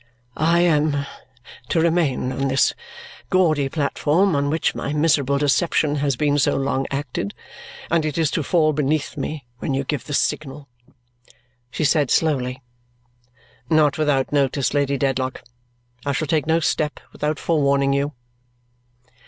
"I am to remain on this gaudy platform on which my miserable deception has been so long acted, and it is to fall beneath me when you give the signal?" she said slowly. "Not without notice, Lady Dedlock. I shall take no step without forewarning you."